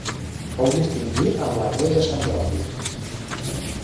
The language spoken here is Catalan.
Fou distingit amb la Creu de Sant Jordi.